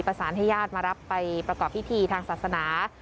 ประสานให้ญาติมารับไปประกอบพิธีทางศาสนา